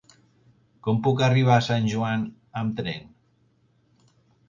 Com puc arribar a Sant Joan amb tren?